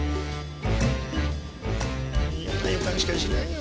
嫌な予感しかしないよ。